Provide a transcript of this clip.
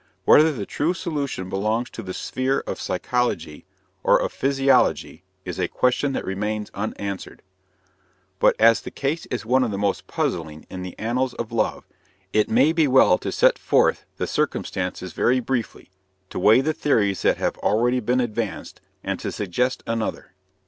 Whether the true solution belongs to the sphere of psychology or of physiology is a question that remains unanswered. But, as the case is one of the most puzzling in the annals of love, it may be well to set forth the circumstances very briefly, to weigh the theories that have already been advanced, and to suggest another.